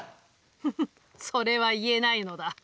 フフそれは言えないのだ。